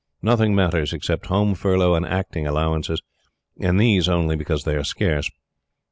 Nothing matters except Home furlough and acting allowances, and these only because they are scarce.